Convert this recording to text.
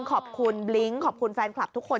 ขอบคุณบลิ้งขอบคุณแฟนคลับทุกคน